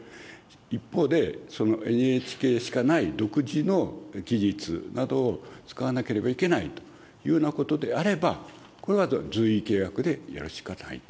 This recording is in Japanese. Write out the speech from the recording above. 一方で、そのＮＨＫしかない独自の技術などを使わなければいけないというようなことであれば、これは随意契約でやるしかないと。